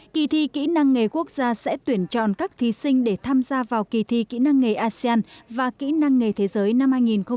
kỳ thi kỹ năng nghề quốc gia sẽ tuyển chọn các thí sinh để tham gia vào kỳ thi kỹ năng nghề asean và kỹ năng nghề thế giới năm hai nghìn hai mươi